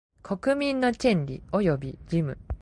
国民の権利及び義務